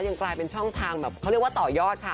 ยังกลายเป็นช่องทางแบบเขาเรียกว่าต่อยอดค่ะ